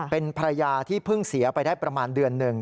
เป็นภรรยาที่เพิ่งเสียไปได้ประมาณเดือนหนึ่ง